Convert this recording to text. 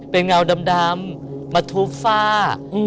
เป็นเงาดำมาทุบฝ้า